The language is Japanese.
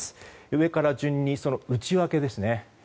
上から順にその内訳ですね。